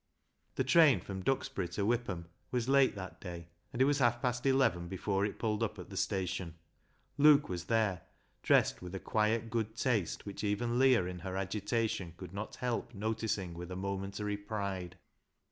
The train from Duxbury to Whipham was late that day, and it was half past eleven before it pulled up at the station, Luke was there, dressed with a quiet, good taste, which even Leah, in her agitation, could not help noticing with a momentary pride.